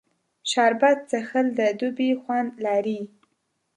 شربت څښل د دوبي خوږ خوند لري